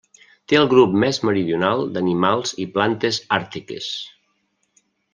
Té el grup més meridional d'animals i plantes àrtiques.